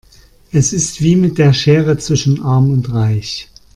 Es ist wie mit der Schere zwischen arm und reich.